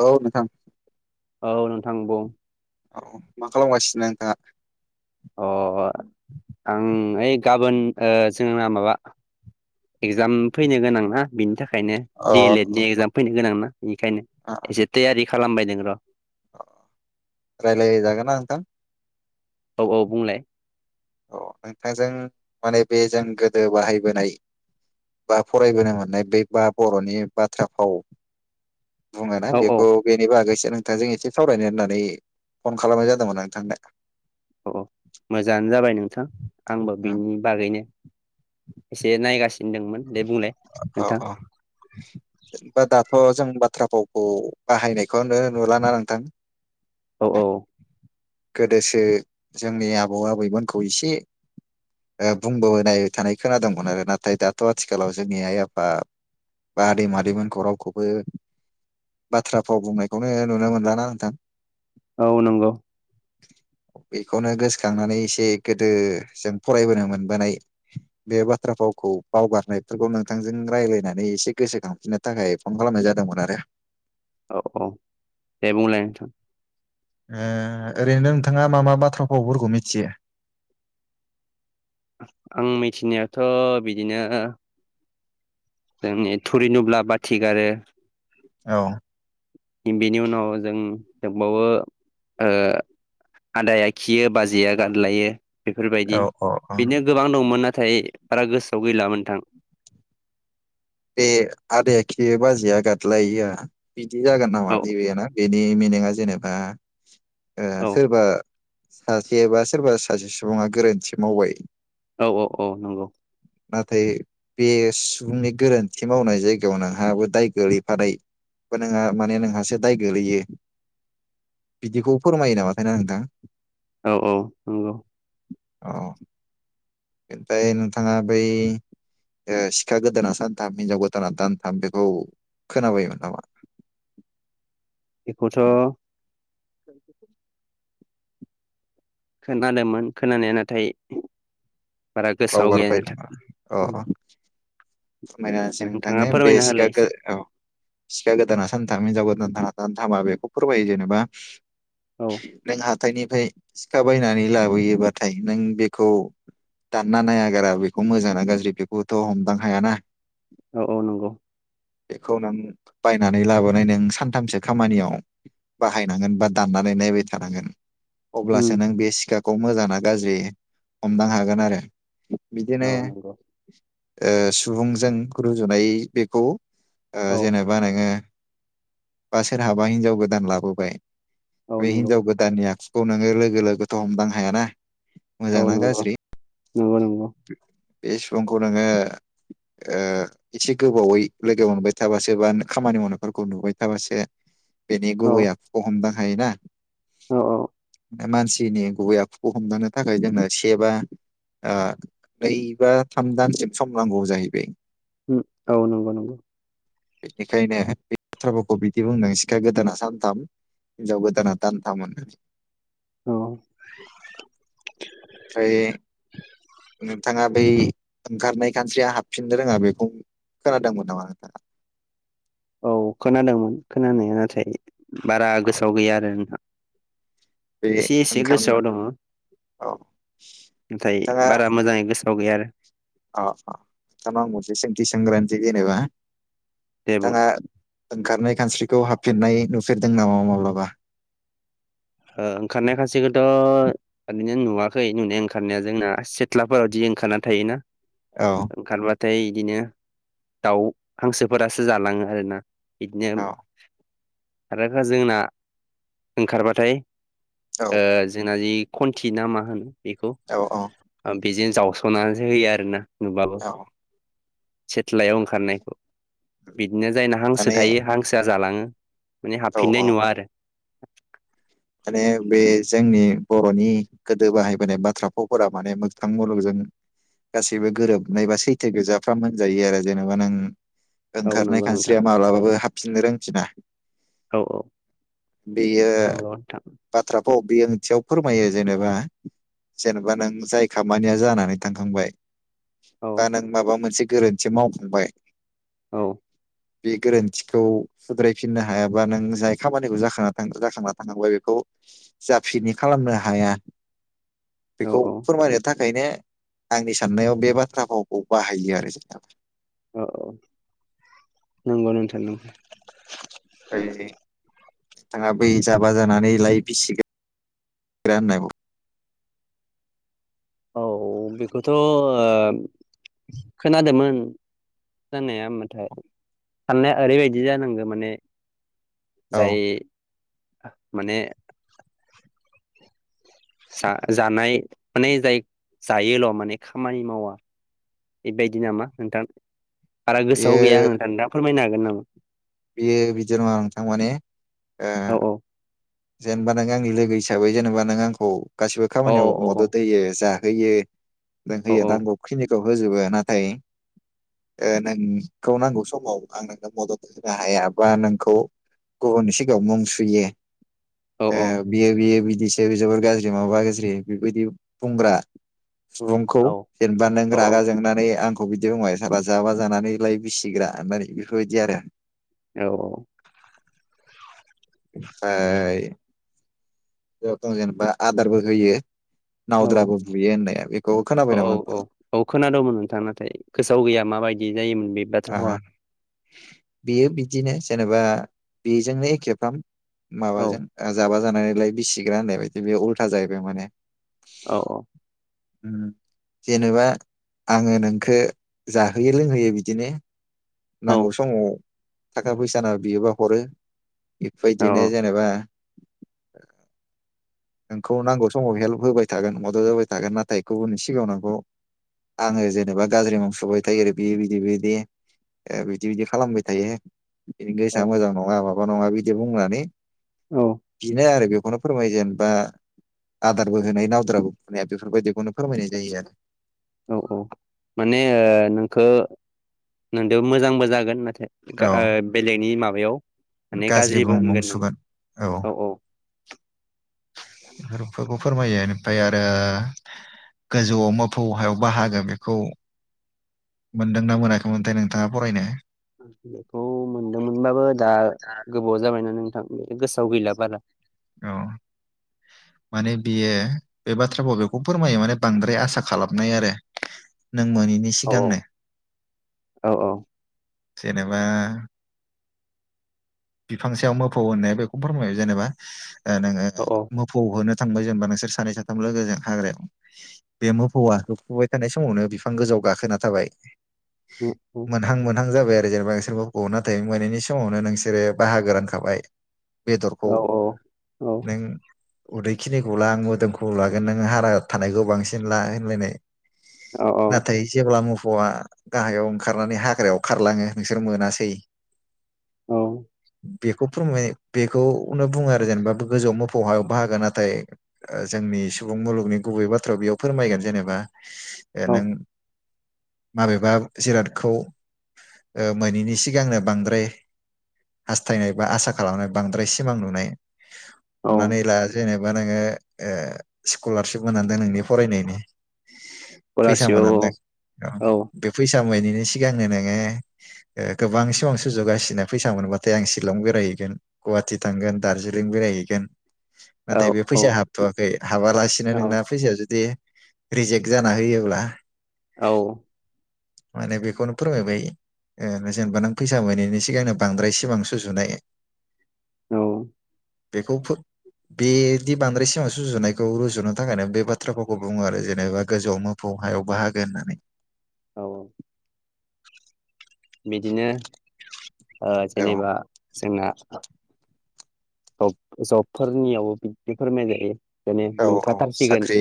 औ नोंथां औ नोंथां बुं औ मा खालामगासिनो नोंथाङा अ आं ओमफ्राय गाबोन जोंना माबा एकजाम फैनो गोनां ना बिनि थाखाय ओंखायनो अ दि एल एड नि एगजाम फैनो गोनां ना बेखायनो एसे तायारि खालामबायदों र' रायलाय जागोनना नोंथां औ औ बुंलाय औ नोंथांजों माने बे जों गोदो बाहायबोनाय बा फरायबोनो मोननाय बे बा बर'नि बाथ्रा फाव बुङोना औ औ बेखौ बेनि बागै एसे नोंथांजों एसे सावरायनो होननानै फन खालामनाय जादोंमोन नोंथांनो औ मोजाङानो जाबाय नोंथां आंबो बिनि बागैनो एसे नायगासिनो दंमोन दे बुंलाय औ नोंथां औ [inaudible] थ' जों बाथ्रा फावखौ बाहायनायखौनो नुलाना नोंथां औ औ गोदोसो जोंनि आबौ आबैमोनखौ एसे बुंबोनाय थानाय खोनादोंंमोन आरो नाथाय दाथ' आथिखालाव जोंनि आइ आफा बा आदै मादैमोनखौ रावखौबो बाथ्रा फाव बुंनायखौनो नुनो मोनलाना नोंथां औ नंगौ [inaudible] बेखौनो गोसोखांनानै एसे गोदो जों फरायबोनो मोनबोनाय बे बाथ्राखौ फावखौ बावगारनायफोरखौ नोंथांजों रायज्लायनानै एसे गोसोखांफिननो थाखाय फन खालामनाय जादोंमोन आरो औ औ दे बुंलाय नोंथां ओरैनो नोंथाङा मा मा बाथ्रा फावफोरखौ मिथियो आं मिथिनायाथ' बिदिनो जोंनि थुरि नुब्ला बाथि गारो औ बेनि उनाव जों दोंबावो आदाया खियो बाजैया गाद्लायो औ बेफोरबायदि औ औ बिदिनो गोबां दंमोन नाथाय बारा गोसोआव गैलामोन नोंथां बे आदै एखियो बाजैया गादलायोआ बिदि जागोन नामा औ थै बे ना बेनि मिनिङा जेनेबा औ सोरबा सासेबा सोरबा सासे सुबुङा गोरोन्थि मावबाय औ औ औ नंगौ नाथाय बे सुबुंनि गोरोन्थि मावनाय जायगायाव नोंहाबो दाय गोलैफानाय नोंहा माने नोंहासो दाय गोलैयो बिदिखौ फोरमायो नामाथाय ना नोंथां औ औ नोंगौ औ ओमफाय नोंथाङा बै ओ सिखा गोदाना सानथाम हिनजाव गोदाना दानथाम बेखौ खोनाबायमोन नामा? इखौथ' खोनादोमोन खोनानाया नाथाय बारा गोसोआव गैया बावगारबाय नोंथां नामा समायना सेन नोंथाङा नोंथांनो बे फोरमायना सिखा होलाय गो एसे औ सिखा गोदाना सानथाम हिजाव गोदान आ दान दानथामा बेखौ फोरमायो जेनेबा औ नों हा थायनिफाय सिखा बायनानै लाबोयोबाथाय नों बेखौ दानना नायागारा बेखौ मोजांना गाज्रि बेखौथ' हमदां हायाना औ औ नंगौ बेखौ नों बायनानै लाबोनाय नों सानथामसो खामानियाव बाहायनांगोन बा दाननानै नायबाय थानांगोन उम अब्लासो नों बे सिखाखौ मोजाङा गाज्रि हमदां हागोन आरो बिदिनो औ नंगौ ओ सुबुंजों रुजुनाय बेखौ ओ औ जेनेबा नोङो बा सोरहाबा हिनजाव गोदान लाबोबाय औ बे नंगौ हिनजाव गोदाननि आखुखौ नोङो लोगो लोगोथ' हमदां हायाना औ मोजां ना नंगौ गाज्रि नंगौ नंगौ बे सुबुंखौ नोङो ओ इसे गोबावै लोगो मोनबाय थाबासो बा खामानि मावनायफोरखौ नुबाय थाबासो बेनि औ गुबै आखुखौ हमदां हायोना। औ औ मानसिनि गुबै आखुखौ हमदानो थाखाय जोंनो सेबा ओ नै बा थाम दानसिम सम नांगौ जाहैबाय औ नंगौ नंगौ बेनिखायनो बे बाथ्राफोरखौ बिदि बुंदों सिखा गोदाना सानथाम हिनजाव गोदाना दानथाम होनना औ फ्राय नोंथाङा बै ओंखारनाय खान्स्रिया हाबफिननो रोङा बेखौ खोनादोंमोन नामा नोंथाङा औ खोनादोंमोन खोनानाया नाथाय बारा अ गोसोआव गैया आरो नोंथा बे एसे एसे ओंखारनो गोसोआव दङ' औ नाथाय नोंथाङा बारा मोजाङै गोसोआव गैया आरो अ नोंथांनाव आं मोनसे सोंथि सोनग्रोनसै जेनेबा दे बुं नोंथांआ ओंखारनाय खानस्रिखौ हाबफिननाय नुफेरदों नामा माब्लाबा ओ ओंखारनाय खानसिखौथ' ओरैनो नुवाखै नुनाय ओंखारनाया जोंना सेथ्लाफोरावदि ओंखारना थायो ना? औ ओंखारबा थाय इदिनो दाउ, हांसोफोरासो जालाङो आरोना इदिनो औ आरो जोंना ओंखारबाथाय ओ औ जोंना जि खन्थि ना मा होनो बेखौ औ औ बेजों जावस'नानैसो होयो आरो ना नुबाबो औ सेथलायाव ओंखारनायखौ बिदनो जायना हांसो माने थायो हांसोआ जालाङो माने औ हाबफिननाय नुवा आरो ए बे जोंनि बर'नि गोदो बाहायबोनाय बाथ्रा फावफोरा माने मोगथां मुलुगजों गासैबो गोरोबनाय बा सैथो गोजाफ्राम होनजायो आरो जेनेबा नों औ ओंखारनाय नंगौ नोंथां खानस्रिया माब्लाबाबो हाबफिननो रोंफिना औ औ बेयो नंगौ नोंथां बाथ्रा फा व औ बे ओंथियाव फोरमायो जेनेबा जेनेबा नों जाय खामानिया जानानै थांखांबाय औ बा नों माबा मोनसे गोरोन्थि मावफांबाय। औ। बे गोरोन्थिखौ सुद्रायफिननो हायाबा नों जाय खामानिखौ जाखांना जाखांना थांबाय बेखौ जाफिनि खालामनो हाया बेखौ औ फोरमायनो थाख खायनो आंनि साननायाव बे बाथ्रा भावखौ बाहायो आरो नोंथां। औ औ नंगौ नोंथां नंगौ। ओमफ्राय बिथाङा बै जाबा जानानै लाय बिसिगो ग्रा होन्नायखौ औ औ बेखौथ' ओ खोनादोंमोन। जानाया मबाथाय साननाया ओरैबायदि जानागो माने औ जाय माने सा जानाय माने जाय जायोल' माने खामानि मावा बेबायदि नामा नोंथां बारा गोसोआव गैया आं नोंथां दा फोरमायनो हागोन नामा? बियो बिदि नङा नोंथां माने ओ औ औ जेनबा नों आंनि लोगो हिसाबै जेनेबा नों आंखौ गासिबो औ खामानियाव औ मदद होयो जा होयो जों औ होयो नांगौ खिनिखौ होजोबो नाथाय ओ नों खौ नांगौ समाव आं नोंनो मदद होनो हाया बा नोंखौ गुबनि सिगाव मुं सुयो औ ओ बियो बियो बिदिसो जोबोर गाज्रि माबा गाज्रि बेबायदि बुंग्रा सुबुंखौ औ जेनेबा नों औ रागा जोंनानै आं खौ बिदि बुंबाय सारबा जाबा जानानै लाय बिसिग्रा होननानै बेफोरबायदि आरो। औ औ। ओइ। जथं जेनेबा आदारबो होयो नावद्राबो बुयै होनाया। औ औ औ औ खोनादोंंमोन नोंथां नाथाय गोसोआव गैया माबायदि जायोमोन। बे ओ बाथ्राफावा बेयो बिदिनो जेनेबा बेजोंनो एखेफ्राम औ माबाजों जाबा जानानै लाइ बिसिग्रा होननाय बायदि बे उल्था जाहैबाय माने। औ औ। उम जेनेबा आङो नोंखो जाहोयो लोंहोयो बिद बिदिनो औ नांगौ समाव थाखा फैसाना बियोबा हरो। इफबायदिनो औ जेनेबा नोंखौ नांगौ समाव हेल्प होबाय थागोन मद'द होबाय थागोन नाथाय गुबुननि सिगाङाव नोंखौ आङो जेनेबा गाज्रि मुं सुबाय थायो आरै बियो बेयो बिदि बै बे ओ बिदि बिदि खालामबाय थायो। बिनि गोसोआ मोजां नङा मा बा नङा बिदि बुंनानै औ बिनो आरो बेखौनो फोरमायो जेनबा आदारबो होनाय नावद्राबो बुनाया बेफोरबायदिखौनो फोरमायनाय जायो आरो। औ औ माने ओ नोंखौ नोंदो मोजांबो जागोन नाथाय गा ओ औ बेलेगनि माबायाव माने गाज्रि गाज्रिबो बुं बुं होनगोन नों सुगोन औ औ। हारुफोरखौ फोरमायो ओमफ्राय आरो गोजौआव मोफौ हायाव बाहागो बेखौ मोनदोंना मोनाखैमोनथाय नोंथाङा फरायनो? बेखौ मोनदोंमोनबाबो दा गोबाव आ जाबायना नों गोसोआव गैला बारा। औ। माने बियो बे बाथ्राखौ बेखौ फोरमायो माने बांद्राय आसा खालामनाय आरो। [inaudible] नों मोनैनि औ सिगांनो। औ [inaudible] जेनेबा बिफां सायाव मोफौ होननाया बेखौनो फोरमायो। जेनेबा ओ नोङो औ मोफौ होनो थांबाय जेनेबा नोंसोर सानै साथाम [unintelligible] मोनहां [unintelligible] मोनहां जाबाय आरो जेनेबा नोंसोर मोफौखौ नाथाय मोनाहैनि समावनो नोंसोरो बाहागो रानखाबाय बेदरखौ औ औ नों उदैखिनिखौ ला आं मोदोमखौ लागोन नों हारा थानायखौ बांसिन ला होनलायनाय‌। औ-औ जेब्ला मोफौआ गाहायाव ओंखारनानै हाग्रायाव खारलाङो नोंसोर मोनासै औ [inaudible] बेखौ बुङो बेखौनो बुङो आरो जेनेबा बे गोजौआव मोफौ हायाव बाहागो नाथाय ओ जोंनि सुबुं मुलुगनि गुबै बाथ्रायाव बेयाव फोरमायगोन जेनेबा ओ औ नों माबेबा जिरादखौ ओ मोनैनि सिगांनो बांद्राय हास्थायनाय बा आसा खालामनाय बांद्राय सिमां नुनाय औ हमनानै लााया जेनेबा नोङो ओ स्कलारशिप मोनांदों नोंनि फरायनायनि फैसा स्कलारशिप मोननायदों औ औ बे फैसा मोनिनि बेनि सिगांनो नोङो ओ गोबां सुजुगासिनो फै मोनोबा जे आं शिलं बेरायहैगोन गुवाहाटि थांगोन दार्जिलिं बेरायहैगोन। औ नाथाय बे औ फैसाया हाबथवाखै हाबालासिनो नोंना फैसाया जुदि रिजेक्ट जाना होयोब्ला औ। माने बेखौनो फोरमायबाय ओ जेनेबा नों फैसा मोनैनायनि सिगांनो बांद्राय सि सिमां जुनाय। औ। बेखौ फोर बेदि बांद्राय सिङाव सुजुनायखौ रुजुनो थाखायनो बे बाथ्राफावखौ बुङो आरो जेनेबा गोजौआव मोफौ हायाव बाहागो होननानै। औ। बिदिनो ओ औ जेनेबा जोङा जब-जबफोरनियावबो बिदि फोरमायनो हायो मेने औ औ मोनखाथारसिगोन साख्रि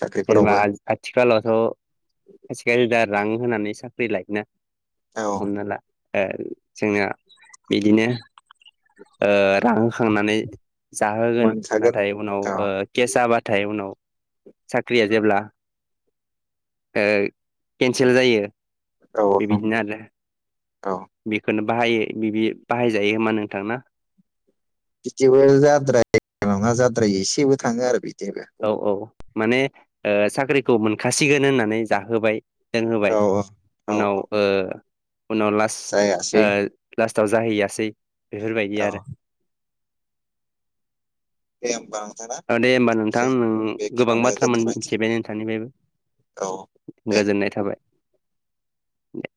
साख्रिफोरावबो [unintelligible] रां होनानै साख्रि लायोना औ हमना ला। ओ जोंना बिदिनो ओ रां खांनानै जाहोगोन मोनखागोन नाथाय उनाव‌ औ ओ केस जाबा नाथाय उनाव साख्रिया जेब्ला ओ केन्सेल जायो औ औ बिदिनो आरो। औ बेखौनो बाहायो बिदि बाहायजायो होमा नोंथां ना। बिदिबो जाद्राय नङा जाद्राय एसेबो थाङो आरो बिदि। औ-औ माने साख्रिखौ मोनखासिगोन होननानै जाहोबाय लोंहोबाय औ औ औ उनाव‌ औ ओ उनाव लास जायासै ओ लासटाव जों जाहैयासै बेफोरबायदि औ आरो। दे होमबा नोंथां ना माने होमबा नोंथां जों गोबां बेखिनियावनो बाथ्रा दोनथ'लायनोसै मोनथिबाय औ नोंथांनिफ्रायबो‌। दे गोजोननाय थाबाय ।